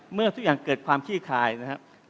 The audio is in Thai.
เมื่อทุกอย่างเกิดความขี้คายนะครับ